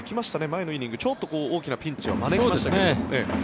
前のイニングちょっと大きなピンチは招きましたけど。